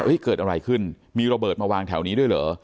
เกิดอะไรขึ้นมีระเบิดมาวางแถวนี้ด้วยเหรอ